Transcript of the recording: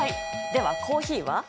ではコーヒーは？